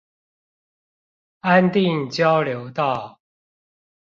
安定交流道